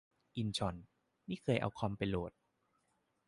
อินชอน- นี่เคยเอาคอมไปโหลด